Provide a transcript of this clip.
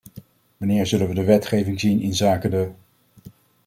Wanneer zullen we wetgeving zien inzake de ?